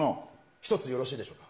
一つよろしいでしょうか。